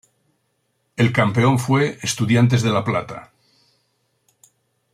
El campeón fue Estudiantes de La Plata.